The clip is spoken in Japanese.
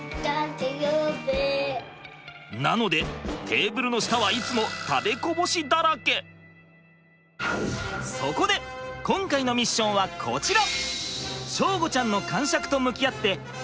なのでテーブルの下はいつもそこで今回のミッションはこちら。